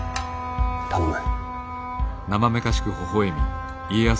頼む。